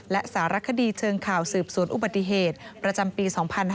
และสารคดีเชิงข่าวสืบสวนอุบัติเหตุประจำปี๒๕๕๙